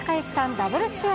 ダブル主演。